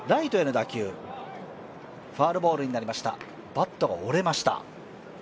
バットが折れました。